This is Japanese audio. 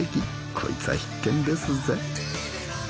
こいつは必見ですぜ。